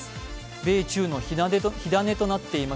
米中の火種となっています